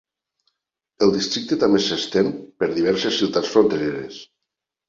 El districte també s'estén per diverses ciutats frontereres.